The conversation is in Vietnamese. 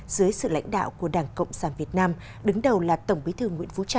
dưới sự lãnh đạo của đảng cộng sản việt nam đứng đầu là tổng bí thư nguyễn phú trọng